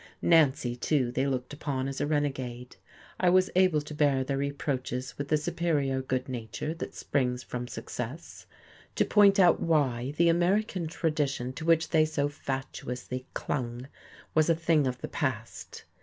Nancy, too, they looked upon as a renegade. I was able to bear their reproaches with the superior good nature that springs from success, to point out why the American tradition to which they so fatuously clung was a things of the past.